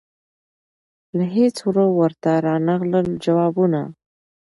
له هیڅ وره ورته رانغلل جوابونه